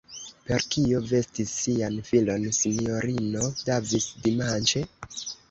Per kio vestis sian filon S-ino Davis, dimanĉe?